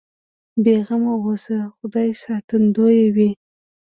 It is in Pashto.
بې غمه اوسه خدای ساتندوی دی.